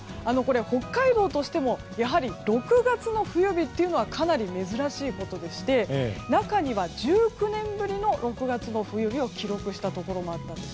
北海道としてもやはり６月の冬日というのはかなり珍しいことでして中には、１９年ぶりの６月の冬日を記録したところもあったんです。